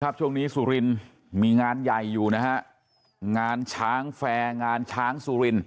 ช่วงนี้สุรินมีงานใหญ่อยู่นะฮะงานช้างแฟร์งานช้างสุริน